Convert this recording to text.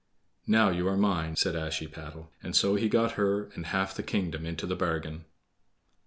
"Now you are mine!" said Ashiepattle, and so he got her and half the kingdom into the bargain.